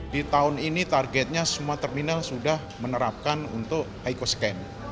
di tahun ini targetnya semua terminal sudah menerapkan untuk eycoscan